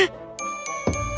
ayahnya bergegas menuju jendela